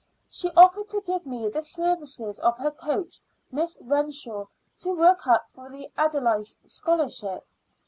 She offered to give me the services of her coach, Miss Renshaw, to work up for the Ayldice Scholarship.